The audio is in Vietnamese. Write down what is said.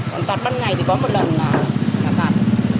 còn tạt ban ngày thì có một lần là phạt